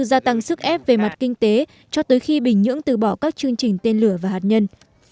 gia tăng sức ép về mặt kinh tế cho tới khi bình nhưỡng từ bỏ các chương trình tên lửa và hạt nhân